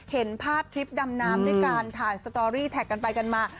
เห็นภาพทริปดำน้ำด้วยการถ่ายสตอรี่แท็กกันไปกันมา